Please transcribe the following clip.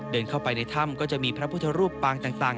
เดินเข้าไปในถ้ำก็จะมีพระพุทธรูปปางต่าง